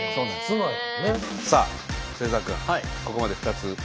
さあ末澤君ここまで２つね。